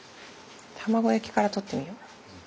卵焼きから取ってみよう。